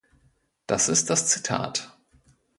Das ist das Zitat.